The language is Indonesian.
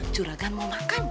curagan mau makan